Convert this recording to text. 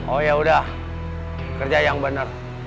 oh ya udah kerja yang bener